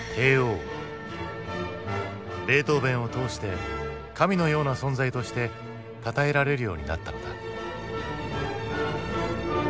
ベートーヴェンを通して神のような存在としてたたえられるようになったのだ。